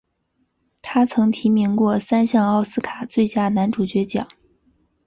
他曾提名过三项奥斯卡最佳男主角奖。